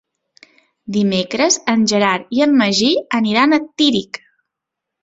Dimecres en Gerard i en Magí aniran a Tírig.